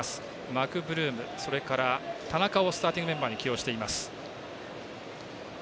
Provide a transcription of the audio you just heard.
マクブルーム、それから田中をスターティングメンバーに起用しています。